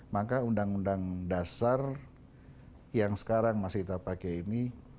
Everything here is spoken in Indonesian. maka undang undang dasar yang sekarang masih kita pakai ini